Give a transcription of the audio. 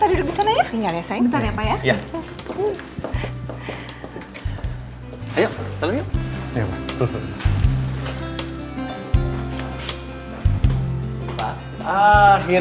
iya kita duduk disana ya